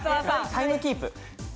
タイムキープ。